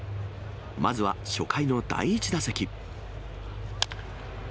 まずは初回の第１打席。